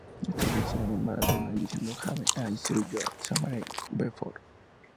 Este inicia con Madonna diciendo: "Haven't I seen you somewhere before?